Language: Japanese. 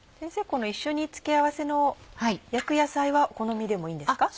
この一緒に付け合わせの焼く野菜はお好みでもいいんですか？